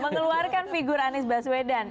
mengeluarkan figur anies baswedan